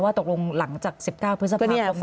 ว่าตกลงหลังจาก๑๙พฤษภาพตรงนี้